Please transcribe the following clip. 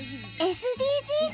ＳＤＧｓ